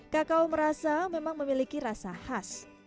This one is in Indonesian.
kakao merasa memang memiliki rasa khas